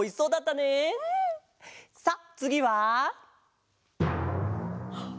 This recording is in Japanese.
さあつぎは？はっ！